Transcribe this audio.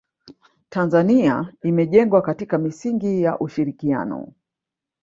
tanzania imejengwa katika misingi ya ushirikiano